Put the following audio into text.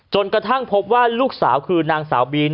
กระทั่งพบว่าลูกสาวคือนางสาวบีน